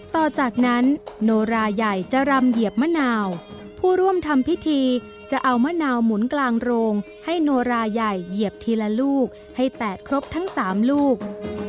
ต่อจากนั้นโนราใหญ่จะรำเหยียบมะนาวผู้ร่วมทำพิธีจะเอามะนาวหมุนกลางโรงให้โนราใหญ่เหยียบทีละลูกให้แตะครบทั้ง๓ลูก